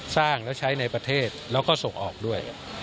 สร้างแล้วใช้ในประเทศแล้วก็ส่งออกด้วย